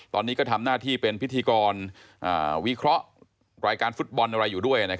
ตอนนี้ก็ทำหน้าที่เป็นพิธีกรวิเคราะห์รายการฟุตบอลอะไรอยู่ด้วย